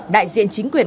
đại diện chính quyền